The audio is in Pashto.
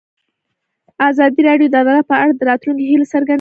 ازادي راډیو د عدالت په اړه د راتلونکي هیلې څرګندې کړې.